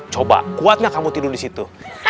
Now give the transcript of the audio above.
coba kuat gak kamu tidur disitu